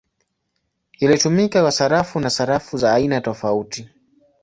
Ilitumika kwa sarafu na sarafu za aina tofauti.